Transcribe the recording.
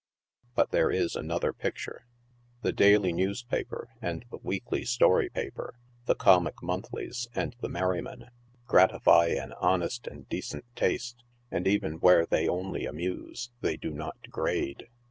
But there is another picture. The daily newspaper and the weekly story paper, tht; comic monthlies and the Merryman, gratify an honest and decent taste, and even where they only amuse, they do not degrade.